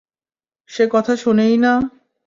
সে কথা শোনেই না।